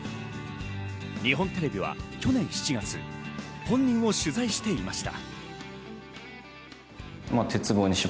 日本テレビは去年７月、本人を取材していました。